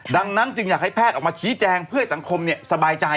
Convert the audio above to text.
ดังนั้นจึงอยากให้แพทย์ออกมาชี้แจงเพื่อให้สังคมสบายใจ